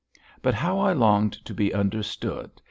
But how I longed to be understood!